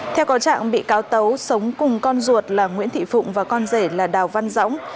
theo có trạng bị cáo tấu sống cùng con ruột là nguyễn thị phụng và con rể là đào văn dõng